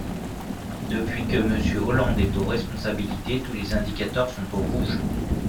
Depuis que Monsieur Hollande est aux responsabilités, tous les indicateurs sont au rouge.